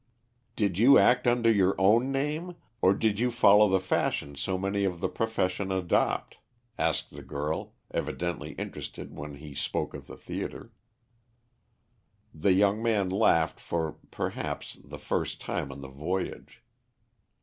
"Did you act under your own name, or did you follow the fashion so many of the profession adopt?" asked the girl, evidently interested when he spoke of the theatre. The young man laughed for, perhaps, the first time on the voyage.